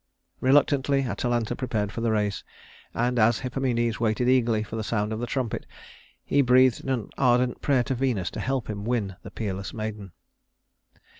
Reluctantly Atalanta prepared for the race, and as Hippomenes waited eagerly for the sound of the trumpet he breathed an ardent prayer to Venus to help him win the peerless maiden.